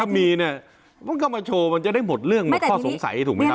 อ่าเมียเนี้ยมันก็มาโชว์มันจะได้หมดเรื่องมันว่าต้องสงสัยถูกไหมครับ